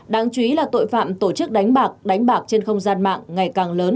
đáng chú ý là tội phạm tổ chức đánh bạc đánh bạc trên không gian mạng ngày càng lớn